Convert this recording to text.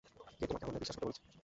কে তোমাকে আমাদের বিশ্বাস করতে বলেছে?